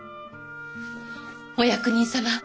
お役人様。